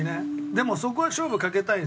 でもそこは勝負かけたいんですよね？